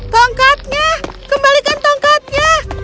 tongkatnya kembalikan tongkatnya